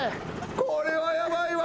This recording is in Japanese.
これはヤバいわ。